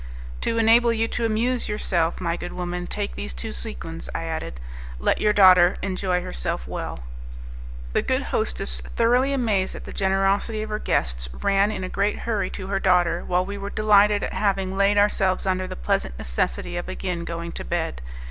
"To enable you to amuse yourself, my good woman; take these two sequins," I added. "Let your daughter enjoy herself well." The good hostess, thoroughly amazed at the generosity of her guests, ran in a great hurry to her daughter, while we were delighted at having laid ourselves under the pleasant necessity of again going to bed.